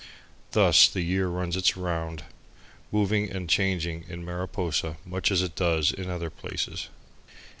Thus the year runs its round, moving and changing in Mariposa, much as it does in other places.